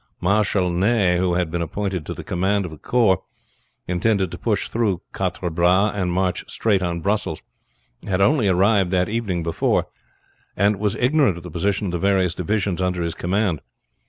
Marshal Ney, who had been appointed to the command of the corps, intended to push through Quatre Bras and march straight on Brussels, had only arrived the evening before, and was ignorant of the position of the various divisions under his command.